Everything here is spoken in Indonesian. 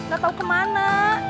gak tau kemana